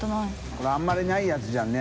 これあんまりないやつじゃんね。